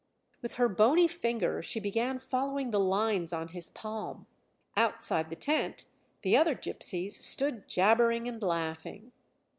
With her bony finger she began following the lines on his palm. Outside the tent the other gypsies stood jabbering and laughing.